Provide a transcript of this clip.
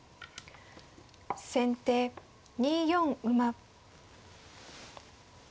先手２四馬。